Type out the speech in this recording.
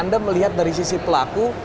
anda melihat dari sisi pelaku